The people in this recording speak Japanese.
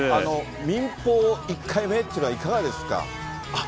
民放１回目っていうのはいかがですか？